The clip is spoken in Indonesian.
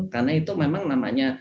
karena itu memang namanya